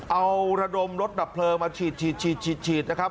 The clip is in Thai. เอาระดมรถดับเพลิงมาฉีดฉีดนะครับ